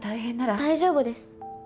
大丈夫です。